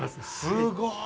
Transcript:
すごい。